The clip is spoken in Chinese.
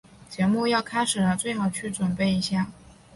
节目要开始了，最好去准备一下。